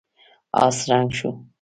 آس ړنګ شو.